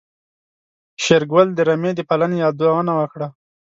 شېرګل د رمې د پالنې يادونه وکړه.